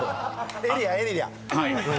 エリアエリア！